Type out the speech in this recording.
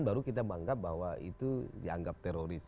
baru kita bangga bahwa itu dianggap teroris